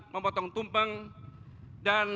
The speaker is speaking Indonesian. memotong tumpeng dan